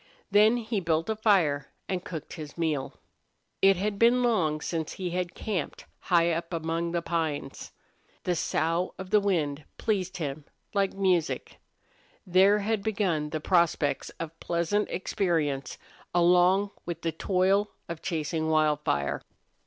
Then he built a fire and cooked his meal. It had been long since he had camped high up among the pines. The sough of the wind pleased him, like music. There had begun to be prospects of pleasant experience along with the toil of chasing Wildfire.